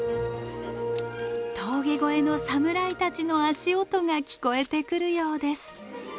峠越えの侍たちの足音が聞こえてくるようです。